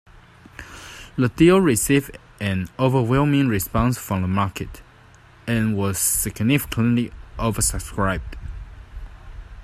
The deal received an overwhelming response from the market, and was significantly oversubscribed.